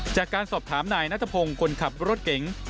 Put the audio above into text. จากการสอบถามนายนัทพงศ์คนขับรถเก๋ง